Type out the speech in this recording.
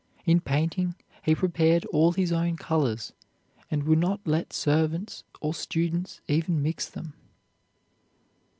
In painting he prepared all his own colors, and would not let servants or students even mix them.